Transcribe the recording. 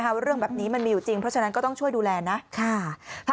ว่าเรื่องแบบนี้มันมีอยู่จริงเพราะฉะนั้นก็ต้องช่วยดูแลนะ